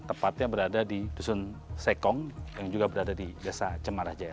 tepatnya berada di dusun sekong yang juga berada di desa cemarajaya